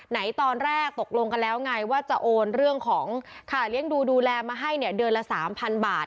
ตอนแรกตกลงกันแล้วไงว่าจะโอนเรื่องของค่าเลี้ยงดูดูแลมาให้เนี่ยเดือนละ๓๐๐บาท